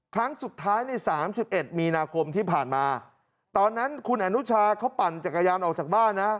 ครั้งสุดท้ายในสามสิบเอ็ดมีนาคมที่ผ่านมาตอนนั้นคุณอนุชาเขาปั่นจักรยานออกจากบ้านนะ